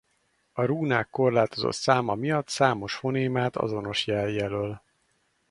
A rúnák korlátozott száma miatt számos fonémát azonos jel jelöl.